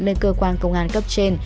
lên cơ quan công an cấp trên